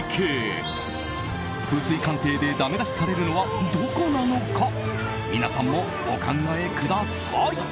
風水鑑定でだめ出しされるのはどこなのか皆さんもお考えください。